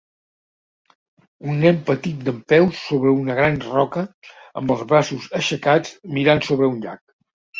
Un nen petit dempeus sobre una gran roca amb els braços aixecats mirant sobre un llac.